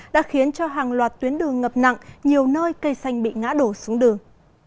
đã khiến cho hàng loạt tuyến đường ngập nặng nhiều nơi cây xanh bị ngã đổ xuống đường